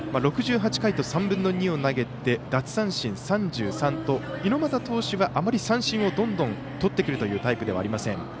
６８回と３分の２を投げて奪三振３３と猪俣投手はあまり三振をどんどんとってくるというタイプではありません。